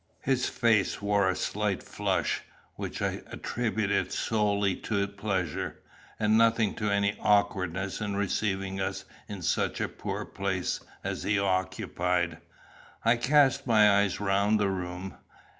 His face wore a slight flush, which I attributed solely to pleasure, and nothing to any awkwardness in receiving us in such a poor place as he occupied. I cast my eyes round the room.